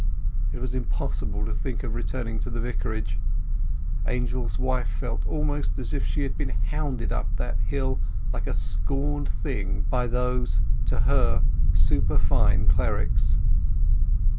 It was impossible to think of returning to the Vicarage. Angel's wife felt almost as if she had been hounded up that hill like a scorned thing by those—to her—superfine clerics.